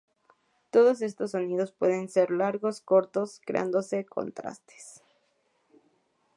Todos estos sonidos pueden ser largos o cortos, creándose contrastes.